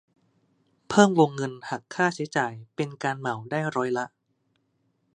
เพิ่มวงเงินหักค่าใช้จ่ายเป็นการเหมาได้ร้อยละ